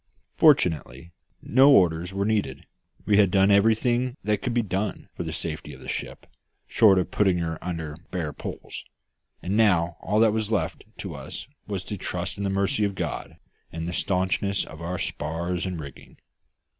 Fortunately, no orders were needed, we had done everything that could be done for the safety of the ship short of putting her under bare poles and now all that was left to us was to trust in the mercy of God, and the staunchness of our spars and rigging.